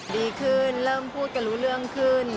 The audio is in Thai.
ดีขึ้นเริ่มพูดกันรู้เรื่องขึ้น